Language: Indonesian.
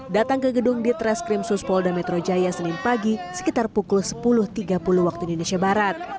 datang ke gedung di treskrim suspolda metro jaya senin pagi sekitar pukul sepuluh tiga puluh waktu indonesia barat